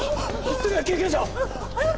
すぐ救急車を早く！